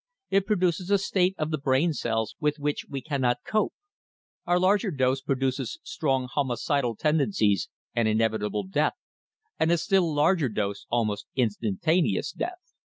It produces a state of the brain cells with which we cannot cope. A larger dose produces strong homicidal tendencies and inevitable death, and a still larger dose almost instantaneous death."